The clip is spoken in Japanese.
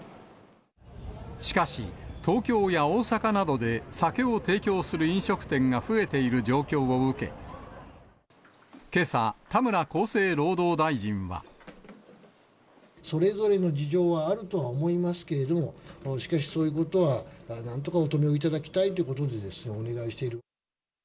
しかし、東京や大阪などで酒を提供する飲食店が増えている状況を受け、それぞれの事情はあるとは思いますけれども、しかしそういうことは、なんとかお止めいただきたいということでお願いしている。